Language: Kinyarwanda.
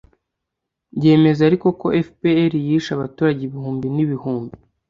yemeza ariko ko fpr yishe abaturage ibihumbi n'ibihumbi